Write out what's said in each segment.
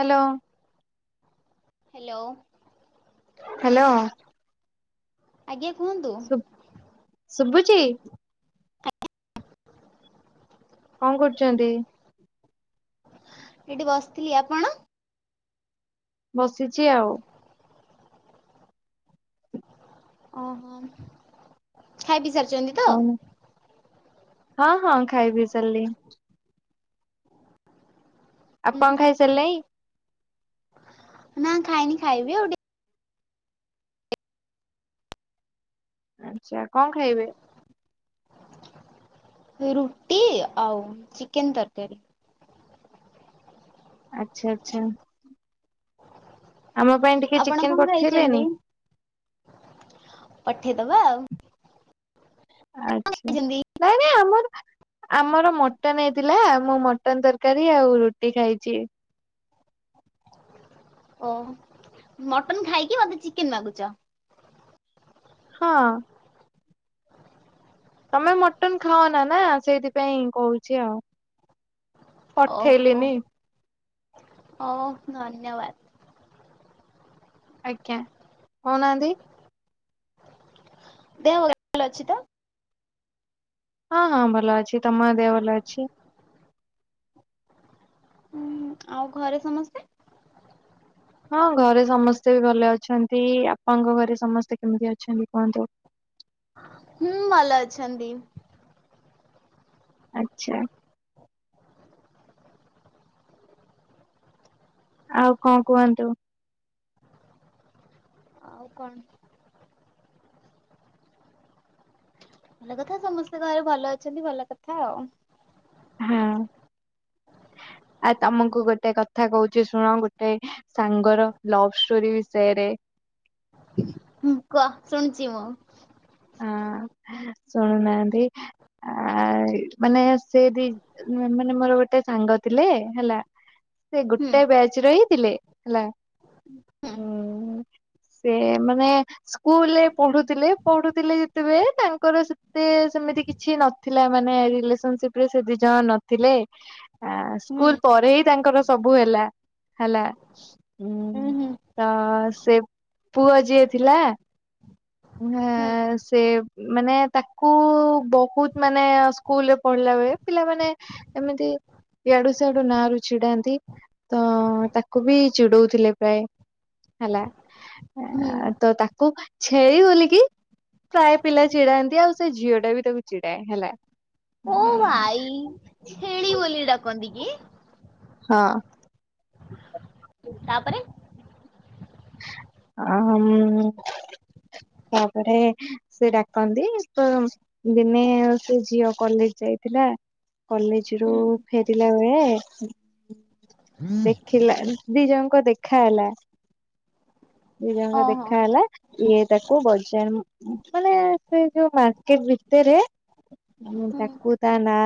Hello. Hello. Hello. ଆଜ୍ଞା କୁହନ୍ତୁ। ଶୁବୁଛି। କଣ କରୁଛନ୍ତି? ଏଇଠି ବସିଥିଲି। ଆପଣ? ବସିଛି ଆଉ। ଓହୋ ଖାଇ ପି ସାରିଛନ୍ତି। ତ? କଣ ହଁ ହଁ ଖାଇ ପି ସାରିଲି। ହୁଁ ଆପଣ ହୁଁ ଖାଇ ସାରିଲେଇଁ। ଖାଇିନି ଖାଇବି ଆଉ। ଟି ଆଚ୍ଛା କଣ ଖାଇବେ? ରୁଟି ଆଉ ଚିକେନ ତରକାରୀ। ଆଚ୍ଛା ଆଚ୍ଛା। ଆମ ପାଇଁ ଟିକ୍ ଆପଣ କଣ ଖାଇଛନ୍ତି? ପଠେଇଦବା ଆଉ। ଆଛା ଖାଇଛନ୍ତି ନାଇଁ ନାଇଁ ଆମର ଆମର ମଟନ ହେଇଥିଲା। ମୁଁ ମଟନ ତରକାରୀ ଆଉ ରୁଟି ଖାଇଛି। ଓହ ମଟନ ଖାଇକି ମତେ ଚିକେନ ମାଗୁଛ। ହଁ। ତମେ ମଟନ ଖାଅନା ନା ସେଇଥିପାଇଁ କହୁଛି ଆଉ। ଓହୋ ପଠେଇଲିନି ଓ ଧନ୍ୟବାଦ। ଆଜ୍ଞା କହୁ ନାହାନ୍ତି। ଦେହ ଭଲ ଅଛି ତ? ହଁ ହଁ ଭଲ ଅଛି। ତମର ଦେହ ଭଲ ଅଛି? ହୁଁ ଆଉ ଘରେ ସମସ୍ତେ? ହଁ ଘରେ ସମସ୍ତେ ବି ଭଲ ଅଛନ୍ତି। ବାପାଙ୍କ ଘରେ ସମସ୍ତେ କେମିତି ଅଛନ୍ତି କୁହନ୍ତୁ? ହୁଁ ଭଲ ଅଛନ୍ତି। ଆଚ୍ଛା। ଆଉ କଣ କୁହନ୍ତୁ? ଆଉ କଣ? ଭଲ କଥା ସମସ୍ତେ ଘରେ ଭଲ ଅଛନ୍ତି ଭଲ କଥା ଆଉ ହଁ ଆଉ ତମକୁ ଗୋଟେ କଥା କହୁଛି ଶୁଣ ଗୋଟେ ସାଙ୍ଗର ଲଭ ଷ୍ଟୋରି ବିଷୟରେ ହୁଁ କୁହ ଶୁଣିୁଛି ମୁଁ ହଁ ଶୁଣୁନାହାନ୍ତି ଆ ମାନେ ସେ ବି ମାନେ ମୋର ଗୋଟେ ସାଙ୍ଗ ଥିଲେ ହେଲା ସେ ହୁଁ ଗୋଟେ ବ୍ୟା ରେ ହିଁ ଥିଲେ ହେଲା ହୁଁ ସେ ମାନେ ସ୍କୁଲରେ ପଢୁଥିଲେ ପଢୁ ଥିଲେ ଯେତେବେ ତାଙ୍କର ସେତେ ସେମିତି କିଛି ନଥିଲା ମାନେ ରିଲେସନସିପ ରେ ସେ ଦିଇ ଜଣ ନ ଥିଲେ ହୁଁ। ସ୍କୁଲ ପରେ ହି ତାଙ୍କର ସବୁ ହେଲା ହେଲା। ହୁଁ ତ ସେ ପୁଅ ଯିଏ ଥିଲା ହୁଁ ହଁ ସେ ମାନେ ତାକୁ ବହୁତ ମାନେ ସ୍କୁଲରେ ପଢିଲା ବେଳେ ପିଲାମାନେ ଏମିତି ୟାଡୁ ସେଡୁ ନାଁ ର ଛିଡାନ୍ତି। ତ ତାକୁ ବି ଚିଡଉଥିଲେ ପ୍ରାୟ ହେଲା ହୁଁ ତ ତାକୁ ଛେଳି ବୋଲିଲ କି ପ୍ରାୟ ପିଲା ଚିଡାନ୍ତି ଆଉ ସେ ଝିଅ ଟା ବି ତାକୁ ଚିଡାଏ ହେଲା ଓ ଭାଇ ଛେଳି ବୋଲି ଡାକନ୍ତି କି? ହଁ। ତାପରେ ଆହମ୍ ତାପରେ ସେ ଡାକନ୍ତି ତ ଦିନେ ସେ ଝିଅ କଲେଜ ଯାଇଥିଲା। କଲେଜ ରୁ ହୁଁ। ଫେରିଲା ବେଳେ ଦେଖିଲା ଦି ଜଣଙ୍କ ଦେଖା ହେଲା। ଦି ଜଣକ ଓହୋ ଦେଖା ହେଲା ଇଏ ତାକୁ ବଜ ମାନେ ସେ ଯୋଉ ମାର୍କେଟ ଭିତରେ ହୁଁ ତାକୁ ତା ନା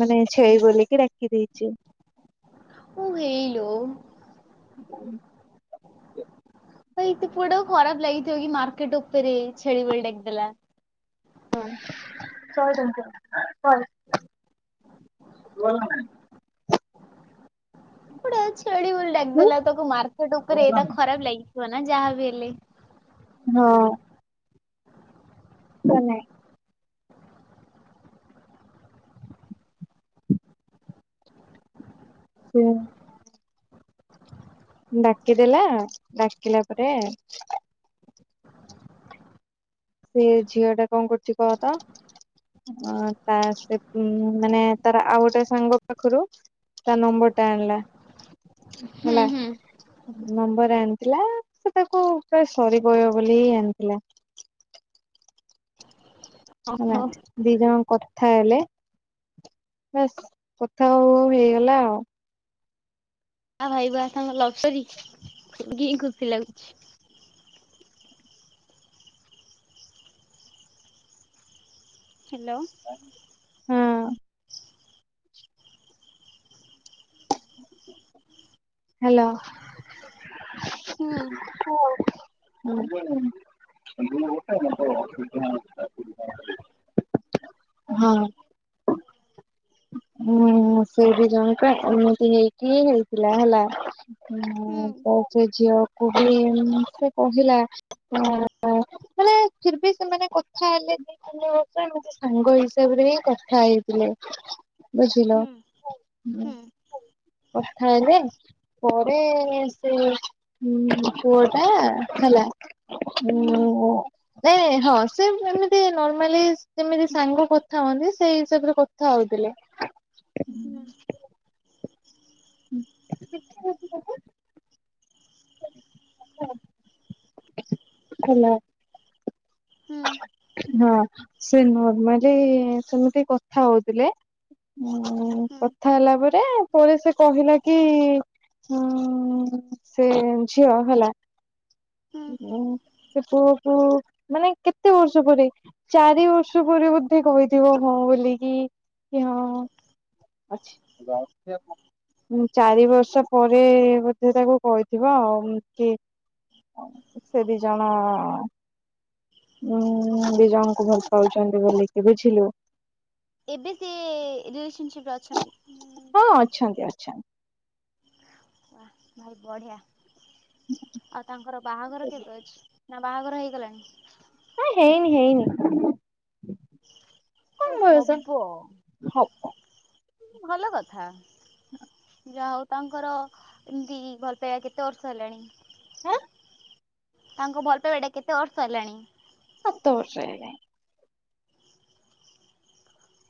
ମାନେ ଛେଳି ବୋଲିକି ଡାକି ଦେଇଛି। ମୁଁ ହେଇଲୋ ହୁଁ। ତ ଏତ ପୋଡା ଖରାପ ଲାଗିଥିବ କି ମାର୍କେଟ ଉପରେ ଛେଳି ବେଳି ଡାକିଦେଲା। [unintelligible] ଟା ଛେଳି ବୋଲିଳି ଲାଗିଦେଲା ତାକୁ ମାର୍କେଟ ଉପରେ ତା ଖରାପ ଲାଗିଥିବ ନା ଯାହାବ ହେଲେ ହଁ। ନାଇଁ ସେ ଡାକିଦେଲା ଡାକିଲା ପରେ ସେ ଝିଅ ଟା କଣ କରୁଛି କହ ତ ଅ ତା ସେ ମାନେ ତାର ଆଉ ଗୋଟେ ସାଙ୍ଗ ପାଖରୁ ତା ନମ୍ବରଟା ଆଣିଲା। ହୁଁ ହେଲା ହୁଁ। ନମ୍ବର ଆଣିଥିଲା। ସେ ତାକୁ ପା ସରି ପହିବ ବୋଲିିଁ ଆଣିଥିଲା। ହେଲା ଓହୋ ଦି ଜଣ କଥା ହେଲେ ବାସ କଥା ହଉ ହଉ ହେଇଗଲା ଆଉ। ଆ ଭାଇ ବା ତମ ଲପସରୀ ଖୁସି ଲାଗୁଛି। ହ୍ୟାଲୋ? ହଁ। [unintelligible] ହ୍ୟାଲୋ, ହୁଁ [inaudible] ହଁ। ହୁଁ, ସେ ବି ଜଣ ଏମିତି ହେଇକିି ହେଇଥିଲା ହେଲା। ହୁଁ ତ ସେ ଝିଅକୁ ବି ସେ କହିଲା। ହଁ, ମାନେ ଫିର୍ ବି ସେମାନେ କଥା ହେଲେ ବି ସେମାନେ ସାଙ୍ଗ ହିସାବରେ ହିଁ କଥା ହେଇଥିଲେ। ବୁଝିଲ, ହୁଁ ହୁଁ କଥା ହେଲେ। ପରେ ସେ ପୁଅ ଟା ହେଲା ହୁଁ ନାଇଁ ହଁ ସେ ଏମିତି ନର୍ମାଲି ଯେମିତି ସାଙ୍ଗ କଥା ହୁ, ସେଇ ହିସାବରେ କଥା ହଉଥିଲେ। ହୁଁ। [unintelligible] ହ୍ୟାଲୋ। ହୁଁ। ହଁ ସେ ନର୍ମାଲି ସେମିତି କଥା ହଉଥିଲେ। ହୁଁ କଥା ହେଲା ପରେ ପରେ ସେ କହିଲା କି, ଉ ସେ ଝିଅ ହେଲା ହୁଁ ସେ ପୁଅକୁ ମାନେ କେତେ ବର୍ଷ ପରେ ଚାରି ବର୍ଷ ପରେ ବୋଧେ କହିଥିବ ହଁ ବୋଲିକି, କି ହଁ। [unintelligible] ଚାରି ବର୍ଷ ପରେ ବୋଧେ ତାକୁ କହିଥିବ ଆଉ କି ସେ ଦି ଜଣ ହୁଁ ଦିଜଣଙ୍କୁ ଭଲ ପାଉଛନ୍ତି ବୋଲିକି, ବୁଝିଲୁ। ଏବେ ସେ ରିଲେସନସିପରେ ଅଛନ୍ତି? ହଁ ଅଛନ୍ତି ଅଛନ୍ତି। ଓ ଭାଇ ବଢିଆ। ଆଉ ତାଙ୍କର ବାହାଘର କେବେ ଅଛି, ନା ବାହାଘର ହେଇଗଲାଣି? ହଁ ହେଇନି ହେଇନି। କମ ଓ ବୟସ ହବ ହବ ଭଲ କଥା। ହଁ। ଯାହା ହଉ ତାଙ୍କର, ଏମିତି ଭଲ ପାଇବା କେତେ ବର୍ଷ ହେଲାଣି? ହାଁ? ତାଙ୍କ ଭଲ ପାଇବାଟା କେତେ ବର୍ଷ ହେଲାଣି? ସାତ ବର୍ଷ ହେଇ ଗଲାଣି।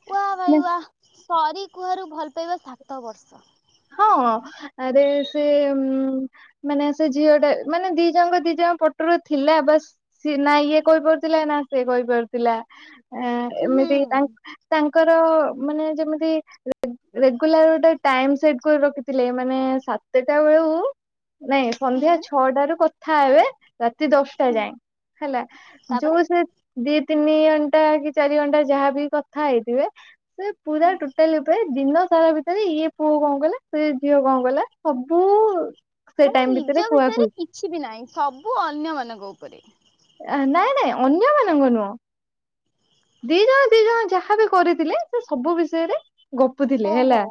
ୱାହ୍ ନା ଭାଇ ୱାହ ସରି କୁହାରୁ ଭଲ ପାଇବା ସାତ ବର୍ଷ। ହଁ ଆରେ ସେ ମାନେ ସେ ଝିଅ ଟା, ମାନେ ଦି ଜଣଙ୍କ ଦି ଜଣ ପଟରୁ ଥିଲା ବାସ୍ ସ ନା ଇଏ କହିପାରୁଥିଲା, ନା ସେ କହିପାରୁଥିଲା ହୁଁ ଏମିତି ତା ତାଙ୍କର ମାନେ ଯେମିତି ରେ ରେଗୁଲାର ଗୋଟେ ଟାଇ ସେ ରଖିଥିଲେ ମାନେ ସାତଟା ବେଳୁ, ନାଇଁ ସନ୍ଧ୍ୟା ହୁଁ ଛଅଟା ରୁ କ ଥା ହେବେ ରାତି ଦଶଟା ହୁଁ ଯାଏ, ହେଲା ତାପରେ ଯୋଉ ସେ ଦି ତିନି ଘଣ୍ଟା କି ଚାରି ଘଣ୍ଟା ଯାହାବି କଥା ହେଇଥିବେ, ସେ ପୁରା ହୁଁ ଟୋଟାଲି ଦିନ ସାରା ଭିତରେ ଇଏ ପୁଅ କଣ କଲେ ସେ ଝିଅ କଣ କଲା ସବୁ ସେ ମାନେ ଟାଇମ ଭିତରେ ନିଜ ବିଷୟରେ କୁହାକୁହି କିଛି ବି ନାହିଁ ସବୁ ଅନ୍ୟ ମାନଙ୍କ ଉପରେ। ନାଇଁ ନାଇଁ ଅନ୍ୟ ମାନଙ୍କ ନୁହଁ ଦି ଜଣ ଦି ଜଣ ଯାହାବି କରିଥିଲେ ସେ ସବୁ ବିଷୟରେ ଗପୁ ଥିଲେ ହେଲା ଓହୋ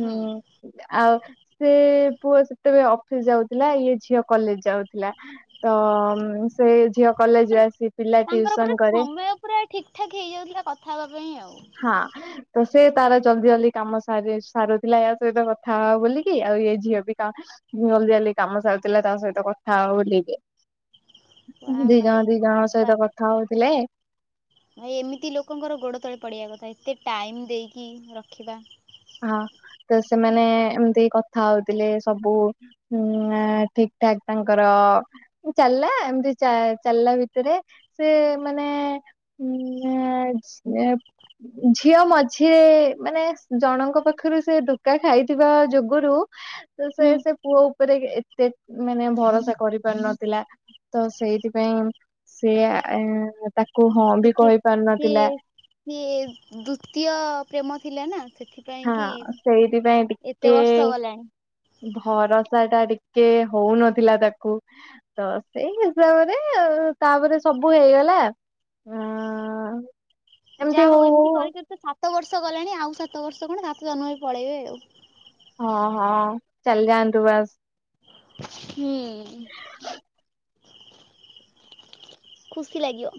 ହୁଁ ଆଉ ସେ ପୁଅ ସେତେବେଳେ ଅଫିସ ଯାଉଥିଲା ଇଏ ଝିଅ କଲେଜ ଯାଉଥିଲା ଥିଲା ତ ସେ ଝିଅ କଲେଜ ପୁରା ଆସି ପିଲା ତାଙ୍କର ପୁରା ଟିଉସନ କରେ। ସମୟ ପୁରା ଠିକ ଠାକ ହେଇଯାଉଥିଲା କଥା ହେବା ପାଇଁ ଆଉ। ହଁ। ତ ସେ ତାର ଜଲଦି ଜଲଦି କାମ ସରି ସାରୁଥିଲା ୟା ସହିତ କଥା ହ ବୋଲିକି ଆଉ ଇ ଝିଅ ବି କା ଜଲଦି ଜଲଦି କାମ ସାରଥିଲା ତା ସହିତ କଥା ବୁଲିକି। ୱା ଦି ଜଣ ଭାଇ ଦି ଜଣଙ୍କ ସାବାସ୍ ସହିତ କଥା ହଉଥିଲେ ଭାଇ ଏମିତି ଲୋକଙ୍କର ଗୋଡ଼ ତଳେ ପଡ଼ିବା କଥା ଏତେ ଟାଇମ୍ ଦେଇକି ରଖିବା। ହଁ ତ ସେମାନେ ଏମିତି କଥା ହଉଥିଲେ ସବୁ ହୁଁ ଠିକ ଠାକ ତାଙ୍କର ଚାଲିଲା ଏମତି ଚା ଚାଲିଲ ଭିତରେ ସେ ମାନେ ଉ ଝିଅ ମଝିରେ ମାନେ ଜଣଙ୍କ ପାଖରୁ ସେ ଧୋକା ଖାଇଥିବା ଯୁଗୁରୁ ତ ସେ ହୁଁ ସେ ପୁଅ ଉପରେ ଏତେ ମାନେ ଭରସା କରିପାରୁ ନଥିଲା। ତ ସେଇଥିପାଇଁ ସେଏ ତାକୁ ହଁ ବି ଦେଖେ କହିପାରୁନଥିଲା। ସିଏ ସିଏ ଦ୍ଵିତୀୟ ପ୍ରେମ ଥିଲା ନା ସେଠି ହଁ ସେଇଥିପାଇଁ ଟିକେ ବର୍ଷ ଗଲାଣି ଭରସା ଟା ଟିକେ ହଉନଥିଲା ତାକୁ ତ ସେଇ ହିସାବରେ ତାପରେ ସବୁ ହେଇଗଲା। ହଁ ଯାହା ହଉ ଏମିତି କରିକ ତ ସାତ ବର୍ଷ ଗଲାଣି ଆଉ ସାତ ବର୍ଷ କଣ ସାତ ଜନ୍ମ ବି ପଳେଇବେ ଆଉ। ହଁ ହଁ ଚାଲି ଯାଆନ୍ତୁ ବାସ୍ ହୁଁ। [unintelligible] ଖୁସି ଲାଗିବ।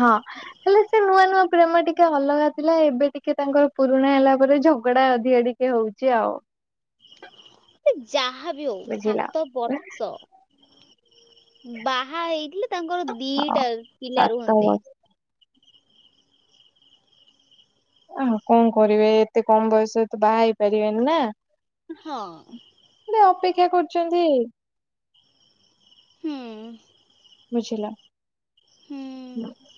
ହଁ ହେଲେ ସେ ନୂଆ ନୂଆ ପ୍ରେମ ଟିକେ ଅଲଗା ଥିଲା ଏବେ ଟିକେ ତାଙ୍କର ପୁରୁଣା ହେଲା ପରେ ଝଗଡା ଅଧିକ ଟିକେ କେ ହଉଚି ଆଉ ସେ ଯାହାବି ହଉ ବୁଝିଲ ସାତ ବର୍ଷ ବାହା ହେଇଥିଲେ ତାଙ୍କର ହଁ। ଦିଟା ପିଲା ସାତ ରୁହନ୍ତେ। ବର୍ଷ ଆ କଣ କରିବେ ଏତେ କମ ବୟସରେ ତ ବାହା ହେଇ ପାରିବେନି ନା। ହଁ। ଗୋଟେ ଅପେକ୍ଷା କରୁଛନ୍ତି ହୁଁ। ବୁଝିଲ ହୁଁ [unintelligible]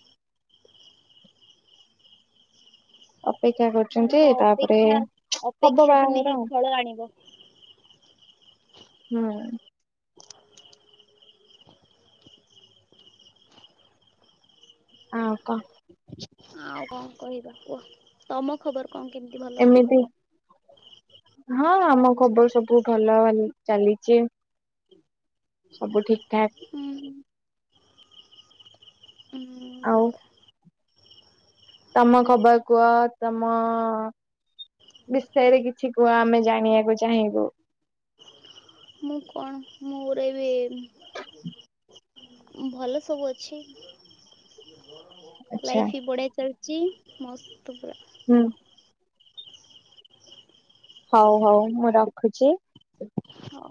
ଅପେକ୍ଷା କରୁଛନ୍ତି ତାଙ୍କ ତାପରେ ଅପେକ୍ଷା ହବ ଅପେକ୍ଷା ଦିନେ ବାହାଘର। ଫଳ ଆଣିବ। ହୁଁ। ହଁ କହ ଆଉ କଣ କହିବା କୁହ ତମ ଖବର କଣ କେମିତି ଭଲ ଏମିତି କୁହ। ହଁ ଆମ ଖବର ସବୁ ଭଲ [unintelligible] ଚାଲିଛି। ସବୁ ଠିକ ଠାକ। ହୁଁ। ଉଁ ଭଲ ଆଉ କଥା ତମ ଖବର କୁହ। ତମ ବିଷୟରେ କିଛି କୁହ। ଆମେ ଜାଣିବାକୁ ଚାହିଁବୁ। ମୁଁ କଣ ମୁଁ ଉରେଇବି। [inaudible] ଭଲ ସବୁ ଅଛି। ଆଚ୍ଛା ଲାଇଫ ବି ବଢିଆ ଚାଲ ଛିି ମସ୍ତ ତ ପୁରା। ହୁଁ। ହଉ ହଉ ମୁଁ ରଖୁଛି। ହଁ।